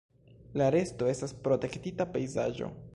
La resto estas protektita pejzaĝo.